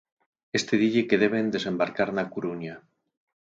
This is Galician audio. Este dille que deben desembarcar na Coruña.